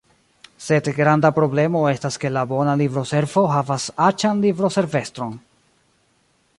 Sed granda problemo estas ke la bona libroservo havas aĉan libroservestron.